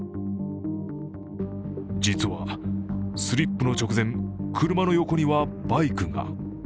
実はスリップの直前、車の横にはバイクが。